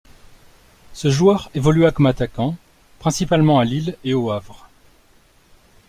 Ce joueur évolua comme attaquant principalement à Lille et au Havre.